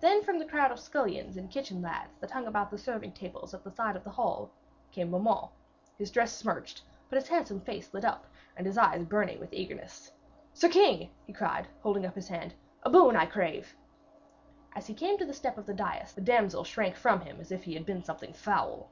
Then from the crowd of scullions and kitchen lads that hung about the serving tables at the side of the hall came Beaumains, his dress smirched, but his handsome face lit up and his eyes burning with eagerness. 'Sir king!' he cried, holding up his hand, 'a boon I crave!' As he came to the step of the dais the damsel shrank from him as if he had been something foul.